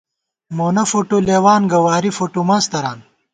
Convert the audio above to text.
مونہ فوٹو لېوان گہ ، واری فوٹو منز تران